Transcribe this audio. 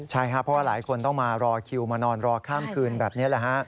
ใช่ครับเพราะว่าหลายคนต้องมารอคิวมานอนรอข้ามคืนแบบนี้แหละฮะ